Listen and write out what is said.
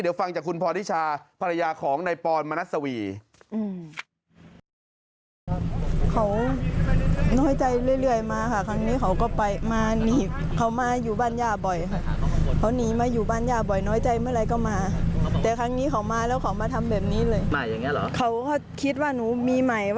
เดี๋ยวฟังจากคุณพอร์ติชาภรรยาของในปรมานัสวี